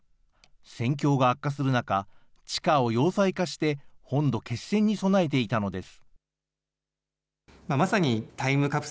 戦況が悪化する中、地下を要塞化して、本土決戦に備えていたのです。